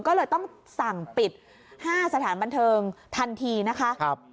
ก็เลยต้องสั่งปิด๕สถานบันเทิงทันทีนะคะ